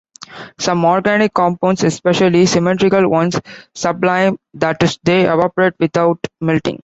Some organic compounds, especially symmetrical ones, sublime, that is they evaporate without melting.